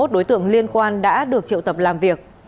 ba mươi một đối tượng liên quan đã được triệu tập làm việc